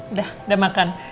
udah udah makan